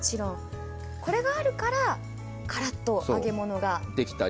これがあるからカラッと揚げ物ができたり。